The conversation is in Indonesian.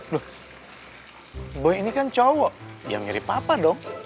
loh boy ini kan cowok ya mirip papa dong